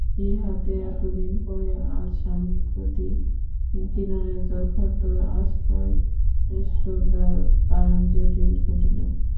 ইহাতে এতদিন পরে আজ স্বামীর প্রতি কিরণের যথার্থ অশ্রদ্ধার কারণ ঘটিল।